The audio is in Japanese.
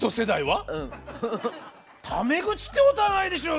タメ口ってことはないでしょう